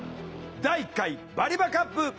第１回バリバカップ。